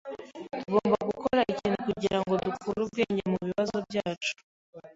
Tugomba gukora ikintu kugirango dukure ubwenge mu bibazo byacu.